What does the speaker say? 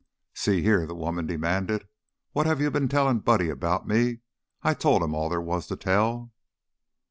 "See here," the woman demanded. "What have you been telling Buddy about me? I told him all there was to tell."